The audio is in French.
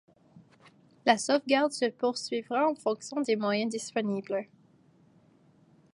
La sauvegarde se poursuivra en fonction des moyens disponibles.